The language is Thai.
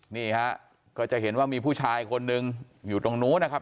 นี่ฮะก็จะเห็นว่ามีผู้ชายคนหนึ่งอยู่ตรงนู้นนะครับ